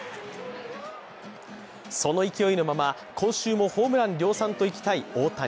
その勢いのまま、今週もホームラン量産といきたい大谷。